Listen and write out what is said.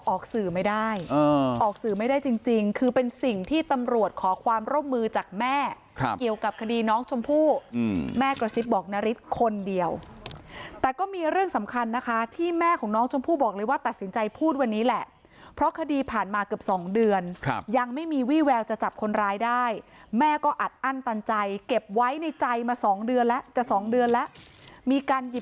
ออกสื่อไม่ได้จริงจริงคือเป็นสิ่งที่ตำรวจขอความร่บมือจากแม่ครับเกี่ยวกับคดีน้องชมพู่อืมแม่กระซิบบอกนาริตคนเดียวแต่ก็มีเรื่องสำคัญนะคะที่แม่ของน้องชมพู่บอกเลยว่าตัดสินใจพูดวันนี้แหละเพราะคดีผ่านมาเกือบสองเดือนครับยังไม่มีวี่แววจะจับคนร้ายได้แม่ก็อัดอั้นตันใจเก็บไว้ในใจ